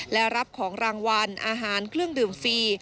และรับของรางวัลอาหารเครื่องดื่มฟรี